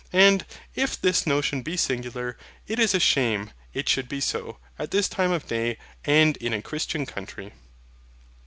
And, if this notion be singular, it is a shame it should be so, at this time of day, and in a Christian country.